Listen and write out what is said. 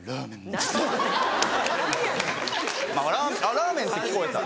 ラーメンって聞こえた。